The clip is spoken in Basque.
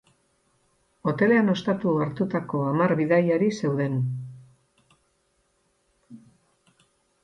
Hotelean ostatu hartutako hamar bidaiari zeuden.